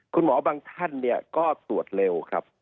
คุณหมอบางท่านก็ตรวจเร็วครับ